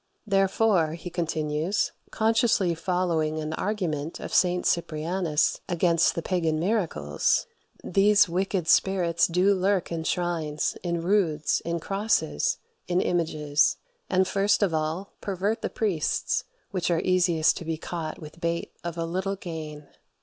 "Therefore," he continues, consciously following an argument of St. Cyprianus against the pagan miracles, "these wicked spirits do lurk in shrines, in roods, in crosses, in images: and first of all pervert the priests, which are easiest to be caught with bait of a little gain.